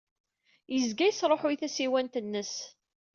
Yezga yesṛuḥuy tasiwant-nnes.